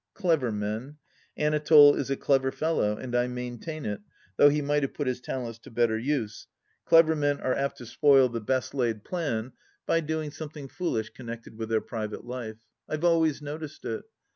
Clever men r Anatole is a clever fellow, and I maintain it, though he might have put his talents to better use — clever men are apt to spoil the best 110 THE LAST DITCH laid plan by doing something foolish connected with their private life. I have always noticed it.